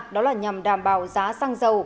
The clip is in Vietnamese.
đó là nhằm đảm bảo giá xăng dầu